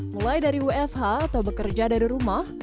mulai dari wfh atau bekerja dari rumah